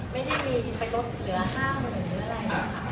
ไม่ได้มีอินไฟลดเหลือ๕๐๐๐๐หรืออะไร